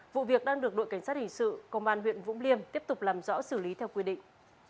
vụ việc đang được đội cảnh sát hình sự công an huyện vũng liêm tiếp tục làm rõ xử lý theo quy định